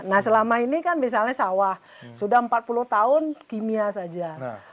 nah selama ini kan misalnya sawah sudah empat puluh tahun kimia saja